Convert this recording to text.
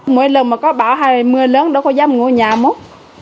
mỗi lần mà có bão hay mưa lớn đâu có dám ngủ nhà một